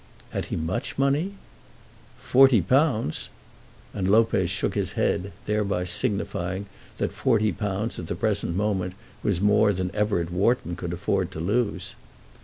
"Had he much money?" "Forty pounds!" And Lopez shook his head, thereby signifying that forty pounds at the present moment was more than Everett Wharton could afford to lose.